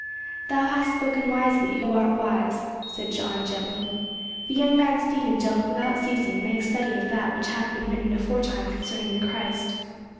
"Thou hast spoken wisely, who art wise," said John gently. "The young man Stephen doth without ceasing make study of that which hath been written aforetime concerning the Christ.